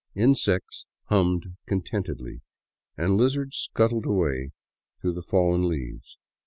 Insects hummed contentedly and lizards scuttled away through the fallen leaves.